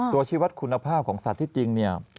ตัวชีวิตคุณภาพของสัตว์ที่จริง